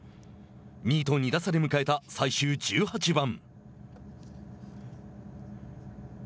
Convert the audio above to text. ２位と２打差で迎えた最終１８番。